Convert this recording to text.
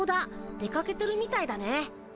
出かけてるみたいだね。